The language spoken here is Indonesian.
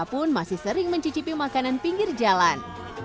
pun masih sering mencicipi makanan pinggir jalan